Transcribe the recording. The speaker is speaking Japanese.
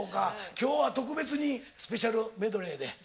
今日は特別にスペシャルメドレーで。